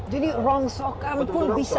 jadi rongsokan pun bisa